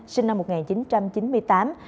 sinh năm một nghìn chín trăm chín mươi tám